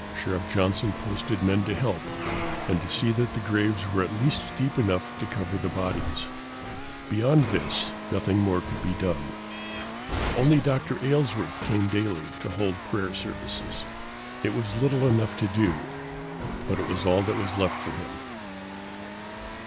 Sheriff Johnson posted men to help, and to see that graves were at least deep enough to cover the bodies. Beyond this, nothing more could be done. Only Dr. Aylesworth came daily to hold prayer services. It was little enough to do, but it was all there was left for him.